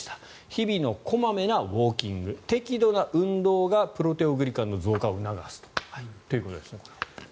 日々の小まめなウォーキング適度な運動がプロテオグリカンの増加を促すということですね。